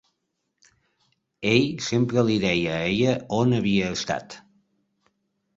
Ell sempre li deia a ella on havia estat.